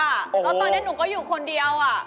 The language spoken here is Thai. แล้วตอนนี้หนูก็อยู่คนเดียว